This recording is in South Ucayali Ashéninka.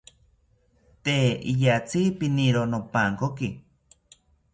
Tee iyatzi piniro nopankoki